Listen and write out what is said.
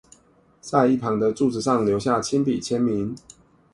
在一旁的柱子上留下親筆簽名